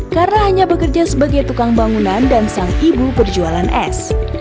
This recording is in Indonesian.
karena hanya bekerja sebagai tukang bangunan dan sang ibu perjualan es